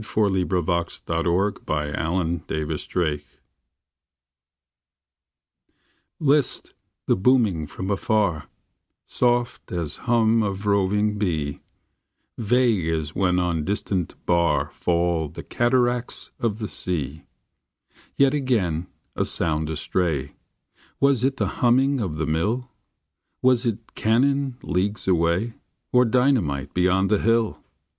68 THE RETURN 70 BIRD AND BOUGH THE PARTRIDGE LIST the booming from afar, Soft as hum of roving bee, Vague as when on distant bar Fall the cataracts of the sea. Yet again, a sound astray, Was it the humming of the mill? Was it cannon leagues away ? Or dynamite beyond the hill?